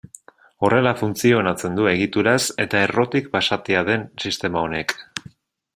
Horrela funtzionatzen du egituraz eta errotik basatia den sistema honek.